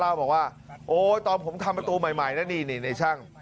เล่าบอกว่าโอ๊ยตอนผมทำประตูใหม่นะนี่ในช่าง